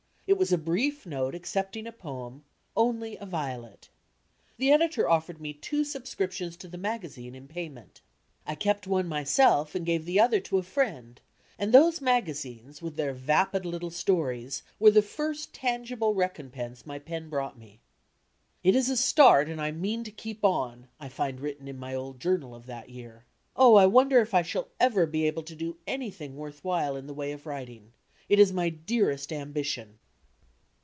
In it was a brief note accepting a poem, "Only a Violet." The editor offered me two subscriptions to the magazine in payment. I kept one myself and gave the other to a friend, and those magazines, with their vapid Utde !"•„,. .,Google stories, were the first tangible recompense my pen brought me. "It is a start, and I mean to keep on," I find written in my old ioumai of that year. "Oh, I wonder if I shall ever be able to do anything worth while in the way of wridng. It is my dearest ambition."